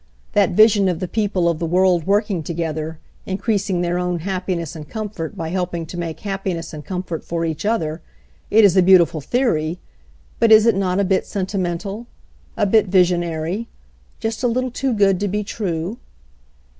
That vision of the people of the world working together, increasing their own happiness and comfort by helping to make happiness and comfort for each other — it is a beautiful theory, but is it not a bit sentimental? a bit visionary? just a little too good to be true?